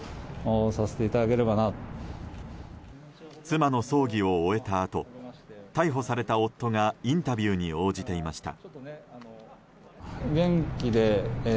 妻の葬儀を終えたあと逮捕された夫がインタビューに応じていました。